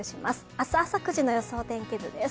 明日朝９時の予想天気図です。